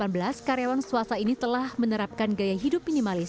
sejak tahun dua ribu delapan belas karyawan swasta ini telah menerapkan gaya hidup minimalis